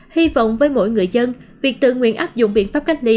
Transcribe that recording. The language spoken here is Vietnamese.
hy vọng với mỗi người dân việc tự nguyện áp dụng biện pháp cách ly